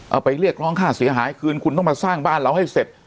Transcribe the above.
เอาไปเรียกร้องค่าเสียหายคืนคุณต้องมาสร้างบ้านเราให้เสร็จ